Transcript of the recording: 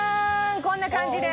こんな感じで。